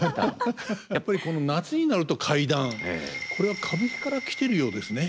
やっぱり夏になると怪談これは歌舞伎から来てるようですね。